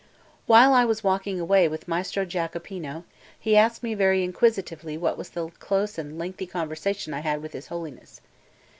While I was walking away with Maestro Giacopino, he asked me very inquisitively what was the close and lengthy conversation I had had with his Holiness.